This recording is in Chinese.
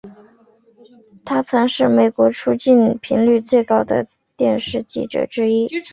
他曾是美国出境频率最高的电视记者之一。